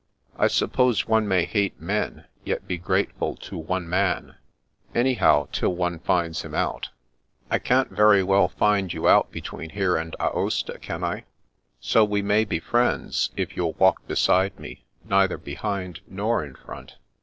I suppose one may hate men, yet be grateful to one man — anyhow, till one finds him out ? I can't very well find you out between here and Aosta, can I ?— ^so we may be friends, if you'll walk beside me, neither behind nor in front.